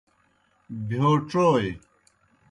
بہیو ڇوئے۔